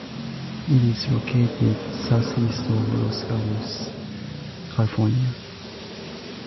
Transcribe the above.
It is located southeast of Los Gatos, California.